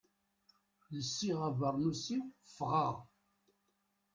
Lsiɣ abernus-iw, ffɣeɣ.